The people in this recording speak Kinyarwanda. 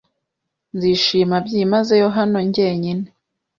Nzishima byimazeyo hano jyenyine.